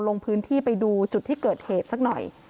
ลงพื้นที่ไปดูจุดที่เกิดเหตุสักหน่อย